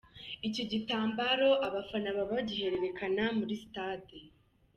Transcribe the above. Iki gitambaro abafana baba bagihererekanye muri sitade